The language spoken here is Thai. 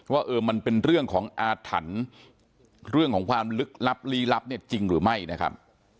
ว่าเออมันเป็นเรื่องของอาถรรพ์เรื่องของความลึกลับลี้ลับเนี่ยจริงหรือไม่นะครับ